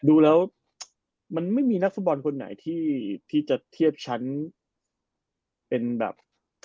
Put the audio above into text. ดูแล้วมันไม่มีนักฟุตบอลคนไหนที่จะเทียบชั้นเป็นแบบ